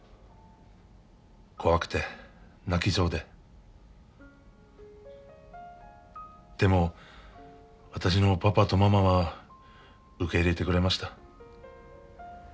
怖くて泣きそうででも私のパパとママは受け入れてくれました。